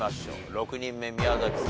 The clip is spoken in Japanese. ６人目宮崎さん